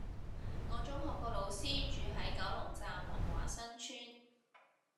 我中學個老師住喺九龍站文華新村